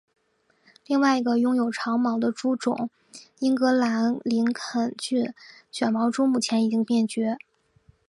另外一个拥有长毛的猪种英格兰林肯郡卷毛猪目前已经灭绝。